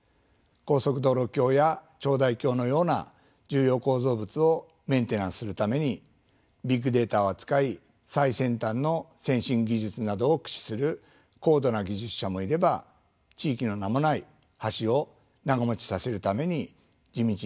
高速道路橋や長大橋のような重要構造物をメンテナンスするためにビッグデータを扱い最先端のセンシング技術などを駆使する高度な技術者もいれば地域の名もない橋を長もちさせるために地道に活動する技術者もいます。